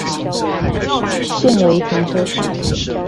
現為停車場